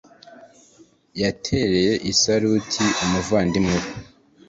Yatereye isaruti umuvandimwe.